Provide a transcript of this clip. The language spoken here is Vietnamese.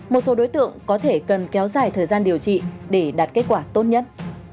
một số đối tượng có thể cần kéo dài thời gian điều trị để đạt kết quả tốt nhất